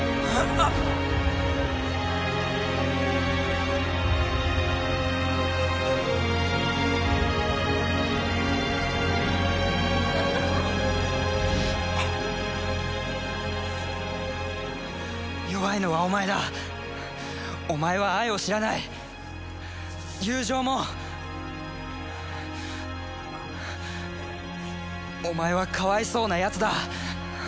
あっ弱いのはお前だお前は愛を知らない友情もお前はかわいそうなやつだ